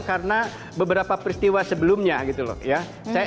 karena beberapa peristiwa sebelumnya gitu loh ya